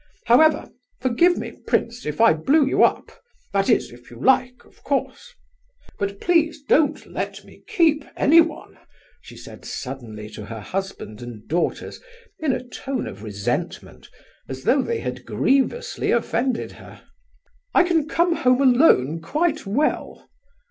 However, forgive me, prince, if I blew you up—that is, if you like, of course. But please don't let me keep anyone," she added suddenly to her husband and daughters, in a tone of resentment, as though they had grievously offended her. "I can come home alone quite well."